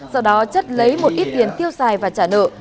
sau đó chất lấy một ít tiền tiêu xài và trả nợ